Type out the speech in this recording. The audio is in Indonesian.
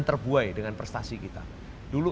terbuai dengan prestasi kita dulu